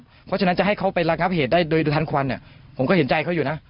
เพราะฉะนั้นจะให้เขาไประงับเหตุได้โดยทันควันเนี่ยผมก็เห็นใจเขาอยู่นะ